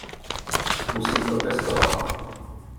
Musím protestovat!